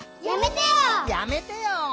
「やめてよ」